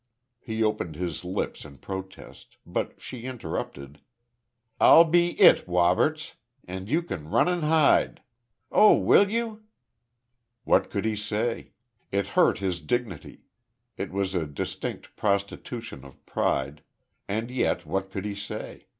He opened his lips in protest; but she interrupted: "I'll be it, Woberts, and you can run and hide. Oh! Will you?" What could he say? It hurt his dignity it was a distinct prostitution of pride and yet, what could he say?